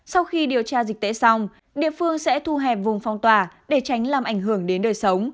sau khi điều tra dịch tễ xong địa phương sẽ thu hẹp vùng phong tỏa để tránh làm ảnh hưởng đến đời sống